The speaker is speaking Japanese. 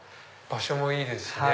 場所もいいですしね。